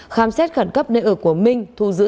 khám xét khẩn cấp nơi ở của minh thu giữ sáu triệu đồng